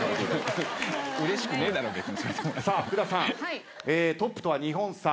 さあ福田さんトップとは２本差。